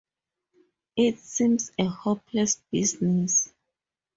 It seems a hopeless business.